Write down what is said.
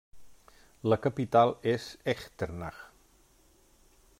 La capital és Echternach.